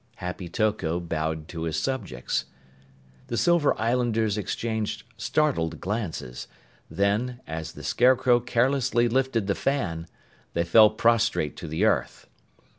Happy Toko bowed to his subjects. The Silver Islanders exchanged startled glances, then, as the Scarecrow carelessly lifted the fan, they fell prostrate to the earth.